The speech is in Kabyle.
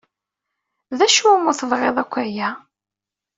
D acu umi tebɣiḍ akk aya?